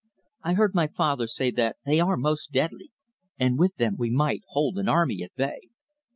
"I heard my father say that they are most deadly, and with them we might hold an army at bay."